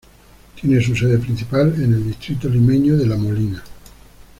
Tiene su sede principal en el distrito limeño de La Molina.